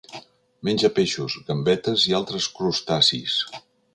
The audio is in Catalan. Menja peixos, gambetes i d'altres crustacis.